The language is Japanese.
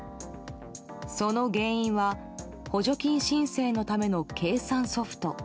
その原因は補助金申請のための計算ソフト。